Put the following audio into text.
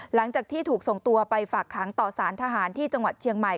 หลังจากที่ถูกส่งตัวไปฝากค้างต่อสารทหารที่จังหวัดเชียงใหม่